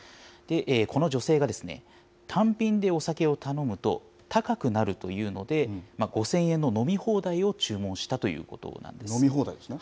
この女性が単品でお酒を頼むと高くなるというので、５０００円の飲み放題を注文したということなんです。